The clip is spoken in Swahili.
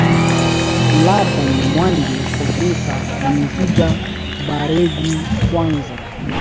aa labda ni muage profesa mwesiga baregu kwanza